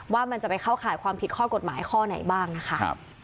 ว่ามันจะไปเข้าข่ายความผิดข้อกฎหมายข้อไหนบ้างนะคะ